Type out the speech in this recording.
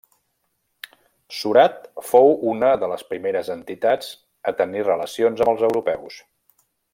Surat fou una de les primeres entitats a tenir relacions amb els europeus.